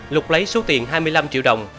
lục lấy số tiền hai mươi năm triệu đồng